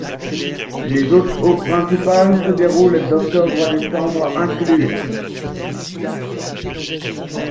Les hautes eaux principales se déroulent d'octobre à décembre inclus.